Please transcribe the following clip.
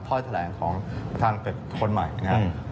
้อยแถลงของประธานเป็ดคนใหม่นะครับ